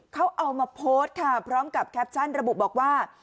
เขาเอามาโพสต์ค่ะพร้อมกับแคปชั่นระบุบอกว่า